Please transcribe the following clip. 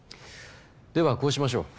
ではこうしましょう。